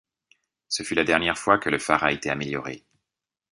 Ce fut la dernière fois que le phare a été amélioré.